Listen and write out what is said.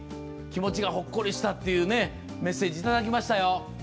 気持ちがほっこりしたっていうメッセージをいただきましたよ。